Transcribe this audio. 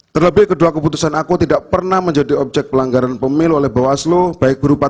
terlebih kedua keputusan aku tidak pernah menjadi objek pelanggaran pemilu oleh bawaslu baik berupa